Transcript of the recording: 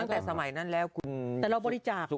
แต่เราบริจาค